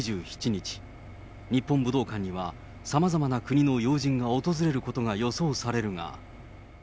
日本武道館にはさまざまな国の要人が訪れることが予想されるが。